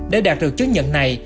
để đạt được chứng nhận này